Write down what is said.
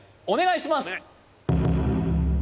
お願いします